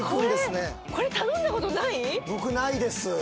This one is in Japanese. これ頼んだことない⁉僕ないです